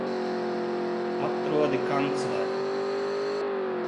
Atrodi kancleru!